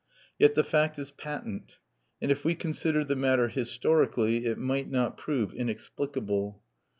Yet the fact is patent, and if we considered the matter historically it might not prove inexplicable.